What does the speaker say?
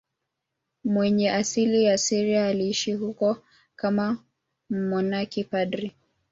Mwenye asili ya Syria, aliishi huko kama mmonaki padri.